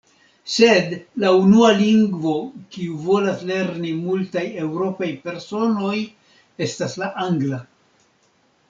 Sed, la unua lingvo kiu volas lerni multaj eŭropaj personoj, estas la angla.